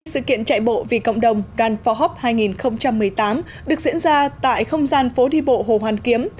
sự kiện chạy bộ vì cộng đồng run for hope hai nghìn một mươi tám được diễn ra tại không gian phố đi bộ hồ hoàn kiếm